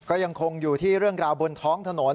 ก็ยังคงอยู่ที่เรื่องราวบนท้องถนน